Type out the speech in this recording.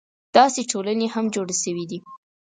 داسې ټولنې هم جوړې شوې دي.